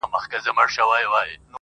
یا به نن یا به سباوي زه ورځمه!.